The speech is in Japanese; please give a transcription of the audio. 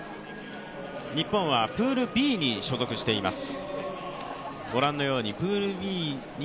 日本はプールＢに所属しています。